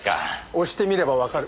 押してみればわかる。